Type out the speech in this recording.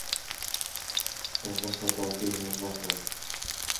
وَبَسَطَ فِيهِ الرَّهْبَةَ